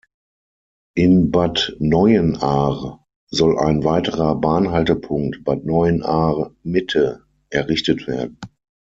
In Bad Neuenahr soll ein weiterer Bahnhaltepunkt "Bad Neuenahr Mitte" errichtet werden.